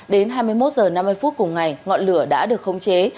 đến hai mươi một h năm mươi cùng ngày ngọn lửa đã được khống chế